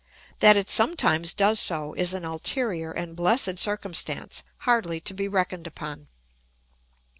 That it sometimes does so is an ulterior and blessed circumstance hardly to be reckoned upon.